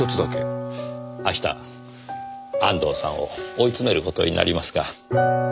明日安藤さんを追い詰める事になりますが。